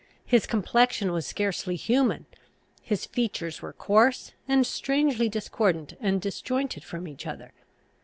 His complexion was scarcely human; his features were coarse, and strangely discordant and disjointed from each other.